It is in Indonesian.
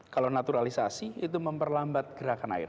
kalau naturalisasi itu memperlambat gerakan air